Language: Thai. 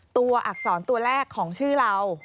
อักษรตัวแรกของชื่อเรา